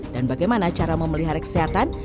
bagaimana cara memelihara kesehatan